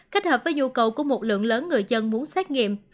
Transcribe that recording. kết hợp với nhu cầu của một lượng lớn người dân muốn xét nghiệm